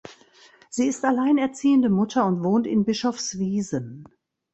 Sie ist alleinerziehende Mutter und wohnt in Bischofswiesen.